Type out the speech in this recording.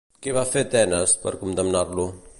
Què va fer Tenes per condemnar-lo?